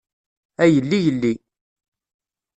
A yelli yelli.